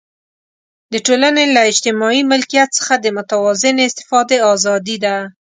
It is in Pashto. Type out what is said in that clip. د ټولنې له اجتماعي ملکیت څخه د متوازنې استفادې آزادي ده.